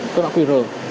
cứ đã quy rờ